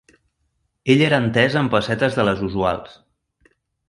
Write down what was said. Ell era entès en pessetes de les usuals